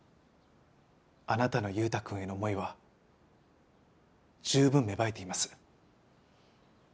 あなたの優太くんへの思いは十分芽生えています。